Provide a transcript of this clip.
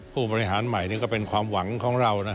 ผู้บริหารใหม่นี่ก็เป็นความหวังของเรานะ